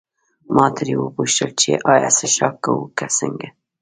ما ترې وپوښتل چې ایا څښاک کوو که څنګه.